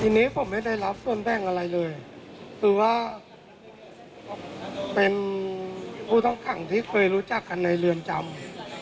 ทีนี้ผมไม่ได้รับส่วนแบ่งอะไรเลยคือว่าเป็นผู้ต้องขังที่เคยรู้จักกันในเรือนจำ